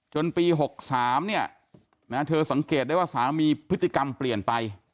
ปี๖๓เนี่ยเธอสังเกตได้ว่าสามีพฤติกรรมเปลี่ยนไป